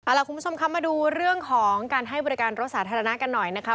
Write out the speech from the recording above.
คุณผู้ชมคะมาดูเรื่องของการให้บริการรถสาธารณะกันหน่อยนะคะ